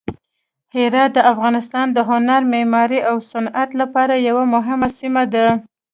هرات د افغانستان د هنر، معمارۍ او صنعت لپاره یوه مهمه سیمه ده.